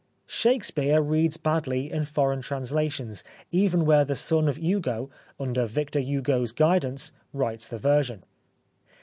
Shakespeare reads badly in foreign translations even where the son of Hugo, under Victor Hugo's guidance, writes the version.